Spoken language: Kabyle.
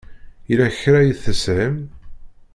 Yella kra i teshim?